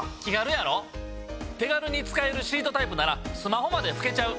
手軽に使えるシートタイプならスマホまでふけちゃう。